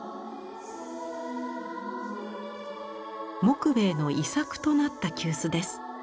木米の遺作となった急須です。